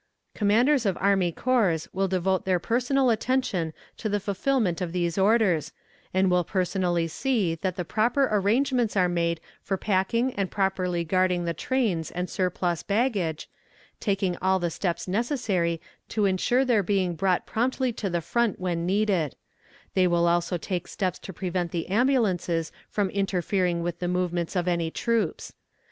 "Commanders of Army Corps will devote their personal attention to the fulfillment of these orders, and will personally see that the proper arrangements are made for packing and properly guarding the trains and surplus baggage, taking all the steps necessary to insure their being brought promptly to the front when needed; they will also take steps to prevent the ambulances from interfering with the movements of any troops.